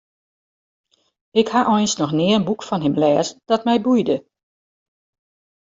Ik ha eins noch nea in boek fan him lêzen dat my boeide.